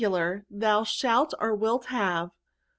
Thou shalt, or wilt, have.